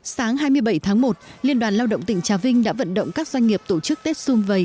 sáng hai mươi bảy tháng một liên đoàn lao động tỉnh trà vinh đã vận động các doanh nghiệp tổ chức tết xung vầy